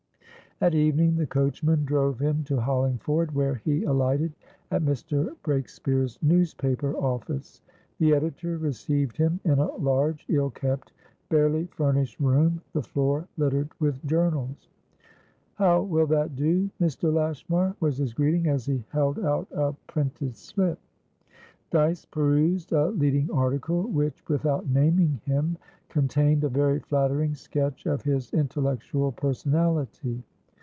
At evening, the coachman drove him to Hollingford, where he alighted at Mr. Breakspeare's newspaper office. The editor received him in a large, ill kept, barely furnished room, the floor littered with journals. "How will that do, Mr. Lashmar?" was his greeting, as he held out a printed slip. Dyce perused a leading article, which, without naming him, contained a very flattering sketch of his intellectual personality.